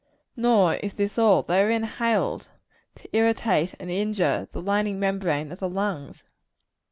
Nor is this all. They are inhaled to irritate and injure the lining membrane of the lungs.